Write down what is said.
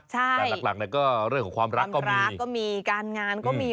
ใช่ความรักก็มีความรักก็มีการงานก็มี